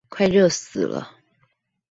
快熱死了